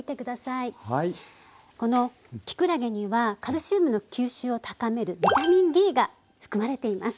きくらげにはカルシウムの吸収を高めるビタミンＤが含まれています。